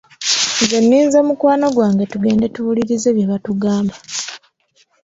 Nze nninze mukwano gwange tugende tuwulirize kye batugamba.